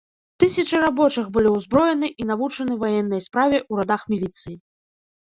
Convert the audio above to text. Тысячы рабочых былі ўзброены і навучаны ваеннай справе ў радах міліцыі.